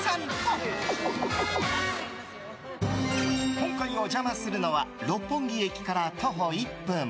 今回お邪魔するのは六本木駅から徒歩１分。